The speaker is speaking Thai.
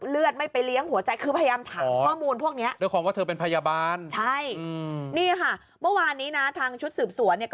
เลือดไม่ไปเลี้ยงหัวใจคือพยายามถามข้อมูลพวกนี้